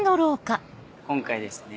今回ですね